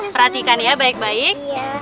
perhatikan ya baik baik